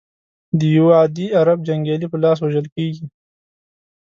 د یوه عادي عرب جنګیالي په لاس وژل کیږي.